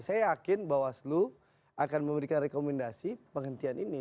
saya yakin bawaslu akan memberikan rekomendasi penghentian ini